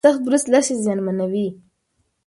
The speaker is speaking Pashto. سخت برس د لثې زیانمنوي.